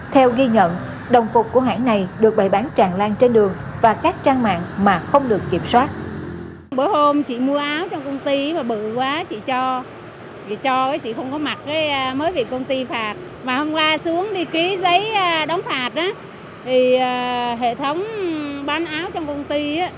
theo ghi nhận đồng phục của hãng này được bày bán tràn lan trên đường và các trang mạng mà không được kiểm soát